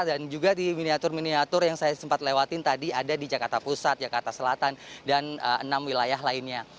dan juga di miniatur miniatur yang saya sempat lewati tadi ada di jakarta pusat jakarta selatan dan enam wilayah lainnya